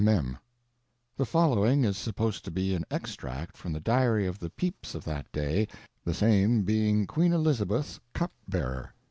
[Mem. The following is supposed to be an extract from the diary of the Pepys of that day, the same being Queen Elizabeth's cup bearer.